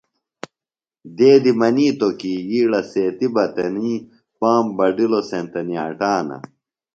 دیدیۡ منِیتوۡ کی یِیڑہ سیتیۡ بہ تنیۡ پام بڈِلوۡ سینتہ نِیاٹانہ۔